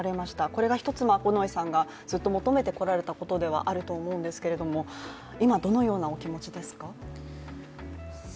これが一つ、五ノ井さんが求めてこられたことでもあると思うんですけども今、どのようなお気持ちですか。